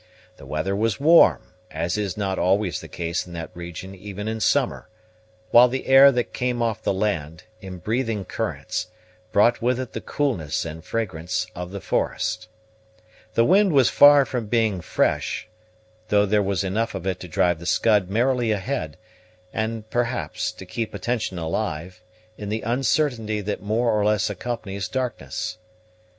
The weather was warm, as is not always the case in that region even in summer, while the air that came off the land, in breathing currents, brought with it the coolness and fragrance of the forest. The wind was far from being fresh, though there was enough of it to drive the Scud merrily ahead, and, perhaps, to keep attention alive, in the uncertainty that more or less accompanies darkness.